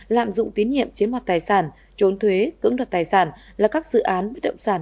lạm dụng tín nhiệm chiếm mọc tài sản trốn thuế cứng đặt tài sản là các dự án với động sản